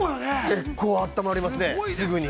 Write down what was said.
◆結構あったまりますね、すぐに。